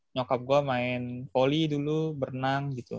nyokap gue main volley dulu berenang gitu